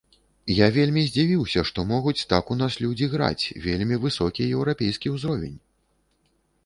Я вельмі здзівіўся, што могуць так у нас людзі граць, вельмі высокі еўрапейскі ўзровень!